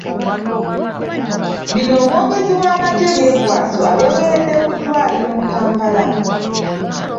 Bino omwogezi w’amagye Byekwaso abyogeredde ku ddwaliro mu Kampala .